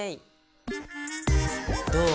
どう？